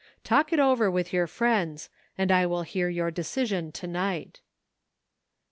Talk it over with your friends, and I will hear your decision to night."